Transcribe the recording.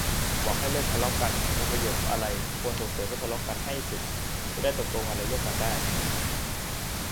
บอกให้เลิกทะเลาะกัน มีประโยชน์อะไร ควรส่งเสริมให้ทะเลาะกันให้สุด จะได้ตกลงอะไรร่วมกันได้